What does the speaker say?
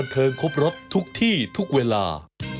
อันนี้ทุกเวลา